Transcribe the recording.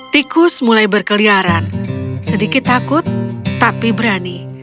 tikus mulai berkeliaran sedikit takut tapi berani